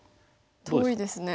遠いですね。